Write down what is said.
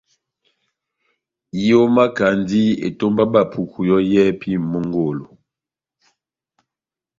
Ihomakandi etomba ya Bapuku yɔ́ yɛ́hɛ́pi mongolo.